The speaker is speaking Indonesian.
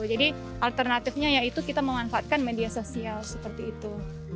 jadi alternatifnya yaitu kita mengunfatkan media sosial seperti itu